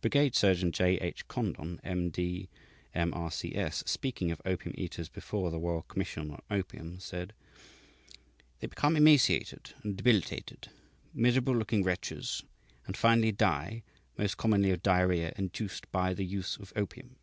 Brigade Surgeon J. H. Condon, M. D., M. R. C. S., speaking of opium eaters before the Royal Commission on Opium, said: "They become emaciated and debilitated, miserable looking wretches, and finally die, most commonly of diarrhoea induced by the use of opium."